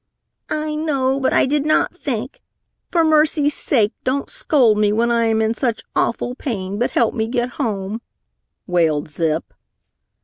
"I know, but I did not think. For mercy's sake, don't scold me when I am in such awful pain, but help me get home," wailed Zip.